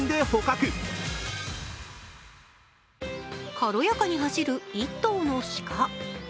軽やかに走る１頭のシカ。